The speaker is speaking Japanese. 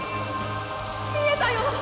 見えたよ